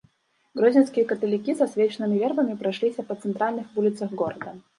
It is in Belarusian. Гродзенскія каталікі з асвечанымі вербамі прайшліся па цэнтральных вуліцах горада.